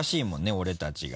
俺たちが。